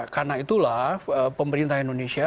karena itulah pemerintah indonesia